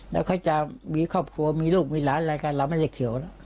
แล้วเขาจะมีครอบครัวมีลูกมีหลานอะไรกันเราไม่ได้เขียวหรอก